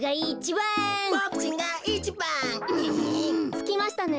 つきましたね。